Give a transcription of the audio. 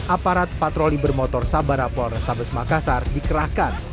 aparat patroli bermotor sabara polrestabes makassar dikerahkan